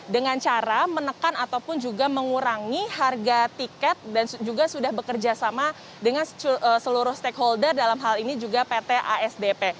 dengan cara menekan ataupun juga mengurangi harga tiket dan juga sudah bekerja sama dengan seluruh stakeholder dalam hal ini juga pt asdp